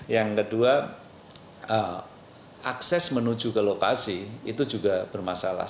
yang kedua akses menuju ke lokasi itu juga bermasalah